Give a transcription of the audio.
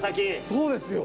そうですよ。